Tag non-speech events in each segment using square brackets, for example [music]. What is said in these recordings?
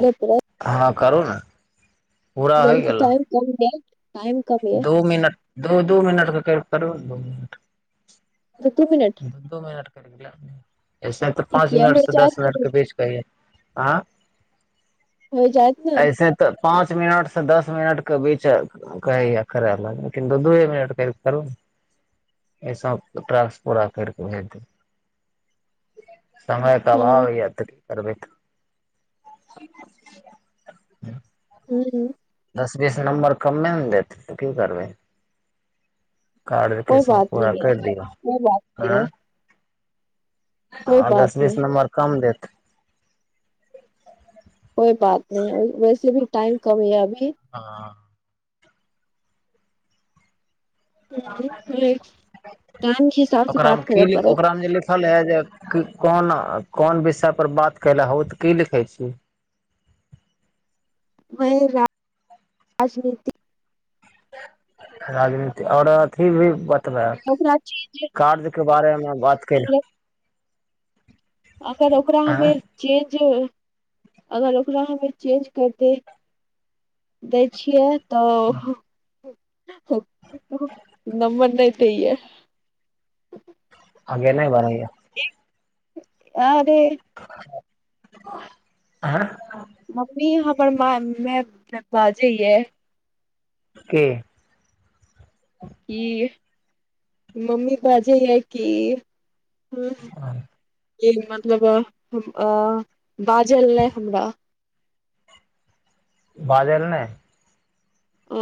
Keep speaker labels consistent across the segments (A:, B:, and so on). A: अरेपरा
B: हँ करू ने पूरा होइ
A: जल्दी
B: गेल
A: टाइम कम दे
B: दू मिनट दू दू मिनटके करू दू मिनट
A: दू दू मिनट
B: द दू मिनट कर अपने ऐसे तऽ
A: ठीक
B: पाँच
A: य
B: मिनट
A: हो
B: से दस
A: जायत
B: मिनट
A: ने
B: के बीच कयए आँ
A: हो जात ने
B: पांच मिनट से दस मिनट के बीच कहै करै ल लेकिन दू दूए मिनट कर करू एहिस ट्र्स पूरा करिकऽ भेज देब समय
A: हँ
B: कबबै याती करब
A: ह
B: स नम्बर कमे ने देतै तऽ की करबै कार्ड
A: कोइ
B: केस
A: बात
B: पूरा
A: नहि य
B: करि दिौ
A: कोइ बात नहि
B: आँ
A: य कोइ बात
B: दस
A: नहि
B: बीस नम्बर कम देत
A: कोइ बात नहि वैसे भी टाइम कमि जाब
B: ह
A: हम्म टाइम के हिसाब से
B: ओकरामे
A: बात
B: की
A: करे पड़त
B: ओकरा मे जे लिखल है जे कोन कोन विषय पर बात केल हो तऽ की लिखै छी
A: वह राज राजनीतिक
B: राजनीति आओरथि भी त
A: ओकरा चेंज
B: कार्य के बारेमे बात कल
A: अगर अगर ओकरा हमे चेंज अगर ओकरा हमे चेंज करते दै छियै तऽ नम्मन नहि तै
B: अग्े नहि बनैया
A: आ त
B: आँ
A: मम्मी यहाँ पर मे बाजे ह है
B: के
A: क मम्मी बाजे यै की हँ ई मतलब अ बाजल नहि हमरा
B: बाजल नहि
A: ओ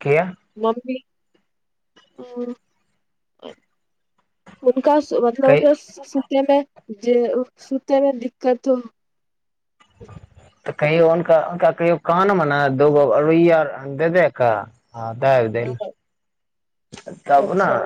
B: किया
A: मन्दी क मतलब
B: कै
A: ओकररा सुूतनेमे जे सुूतमे दिक्कत हो
B: [unintelligible] हँ तऽ द तब ने।
A: अच्छा